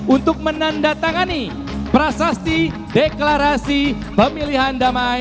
untuk menandatangani prasasti deklarasi pemilihan damai